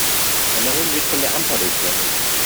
Emmering wird von der Amper durchflossen.